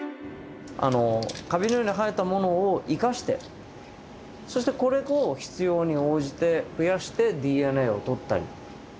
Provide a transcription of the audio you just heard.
あのカビのように生えたものを生かしてそしてこれを必要に応じて増やしてＤＮＡをとったり。